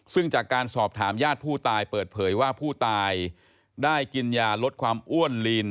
ซึ่งจากการสอบถามญาติผู้ตายเปิดเผยว่าผู้ตายได้กินยาลดความอ้วนลีน